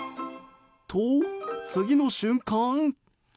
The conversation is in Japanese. と、次の瞬間。